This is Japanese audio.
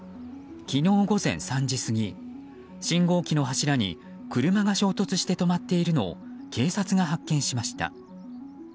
昨日午前３時過ぎ信号機の柱に車が衝突して止まっているのを警察が発見しました。